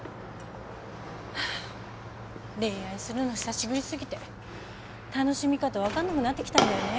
恋愛するの久しぶり過ぎて楽しみ方分かんなくなってきたんだよね。